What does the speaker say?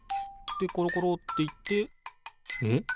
でコロコロっていってえっ？